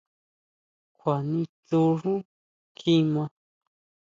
¿Kjua nistsjú xú kjimá?